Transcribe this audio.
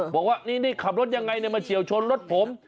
บอกว่านี่ขับรถยังไงมาเฉียวชนรถผม